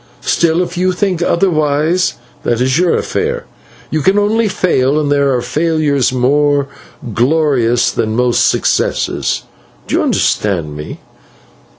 Still, if you think otherwise, that is your affair; you can only fail, and there are failures more glorious than most successes. Do you understand me?"